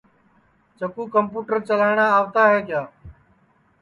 چکُو کمپوٹر چلاٹؔا آوتا ہے کیا